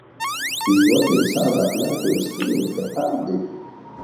ژوند د انسان د اخلاقو رښتینی امتحان دی.